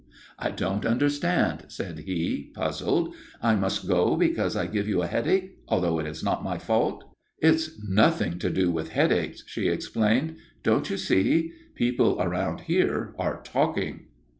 "I don't understand," said he, puzzled. "I must go away because I give you a headache, although it is not my fault." "It's nothing to do with headaches," she explained. "Don't you see? People around here are talking."